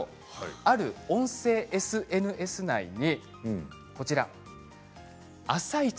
ある音声ＳＮＳ内に「あさイチ」